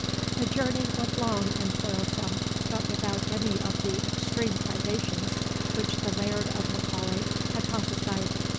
The journey was long and toilsome, but without any of the extreme privations which the Laird of M'Aulay had prophesied.